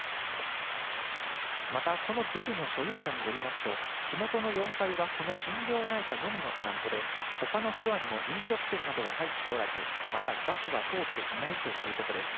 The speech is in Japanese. また、このビルの所有者によりますと、火元の４階はこの心療内科のみのテナントで、ほかのフロアにも飲食店などは入っておらず、またガスは通っていないということです。